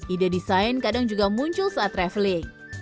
ide desain kadang juga muncul saat traveling